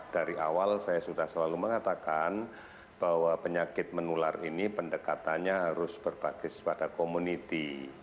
dari awal saya sudah selalu mengatakan bahwa penyakit menular ini pendekatannya harus berbasis pada komuniti